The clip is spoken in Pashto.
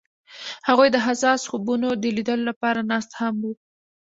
هغوی د حساس خوبونو د لیدلو لپاره ناست هم وو.